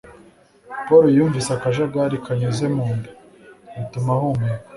Paul yumvise akajagari kanyuze mu nda, bituma ahumeka.